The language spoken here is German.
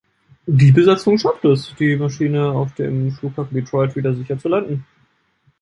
Die Besatzung schaffte es, die Maschine auf dem Flughafen Detroit wieder sicher zu landen.